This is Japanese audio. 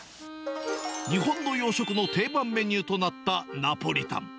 日本の洋食の定番メニューとなったナポリタン。